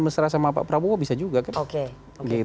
mesra sama pak prabowo bisa juga kan